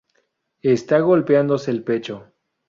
Está golpeándose el pecho.